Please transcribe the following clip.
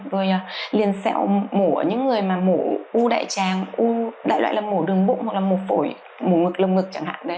rồi liền xẹo mổ ở những người mà mổ u đại tràng u đại loại là mổ đường bụng hoặc là mổ phổi mổ ngực lâm ngực chẳng hạn